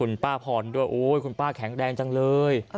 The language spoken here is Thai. คุณป้าพรด้วยโอ๊ยคุณป้าแข็งแรงจังเลย